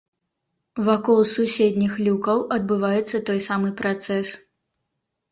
Вакол суседніх люкаў адбываецца той самы працэс.